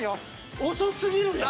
遅すぎるやん。